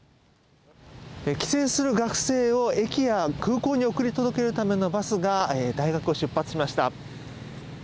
帰省する学生を駅や空港に送り届けるためのバスが大学を出発しました。